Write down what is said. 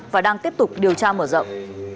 và đang tiếp tục điều tra mở rộng